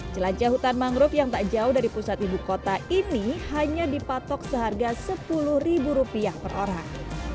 jelajah hutan mangrove yang tak jauh dari pusat ibu kota ini hanya dipatok seharga sepuluh ribu rupiah per orang